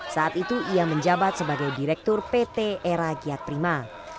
saat itu ia menjabat sebagai direktur pt era giat prima